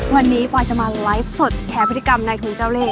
วันนี้ปอยจะมาไลฟ์สดแข่พิธีกรรมในถุงเจ้าเล่น